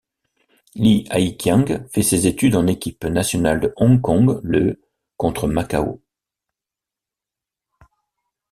Li Haiqiang fait ses débuts en équipe nationale de Hong Kong le contre Macao.